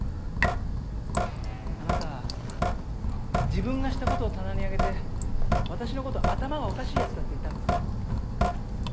あなた自分がしたことを棚に上げて私のこと頭がおかしいやつだって言ったんですか？